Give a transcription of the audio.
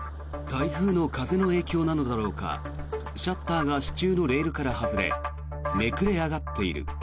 台風の風の影響なのだろうかシャッターが支柱のレールから外れめくれ上がっている。